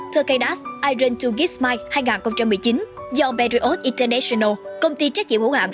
tkdas iron hai gifts mike hai nghìn một mươi chín do berriot international công ty trách nhiệm hữu hạng